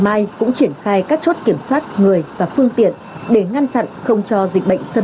mai cũng triển khai các chốt kiểm soát người và phương tiện để ngăn chặn không cho dịch bệnh xâm